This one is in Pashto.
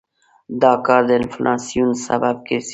دا کار د انفلاسیون سبب کېږي.